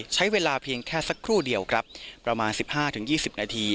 ใช้เวลาเพียงแค่สักครู่เดียวครับประมาณสิบห้าถึงยี่สิบนาที